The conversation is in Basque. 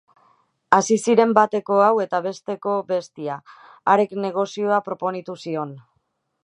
Hasi ziren bateko hau eta besteko bestia, harek negozioa proponitu zion.